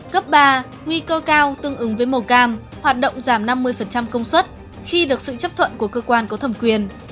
cấp ba nguy cơ cao tương ứng với màu cam hoạt động giảm năm mươi công suất khi được sự chấp thuận của cơ quan có thẩm quyền